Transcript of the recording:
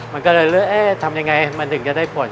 มันก็เลยเลือกเอ๊ะทำยังไงมันถึงจะได้ผล